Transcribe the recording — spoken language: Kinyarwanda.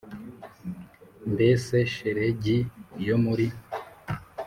Mbese shelegi yo muri